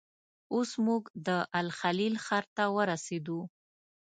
اوس موږ د الخلیل ښار ته ورسېدو.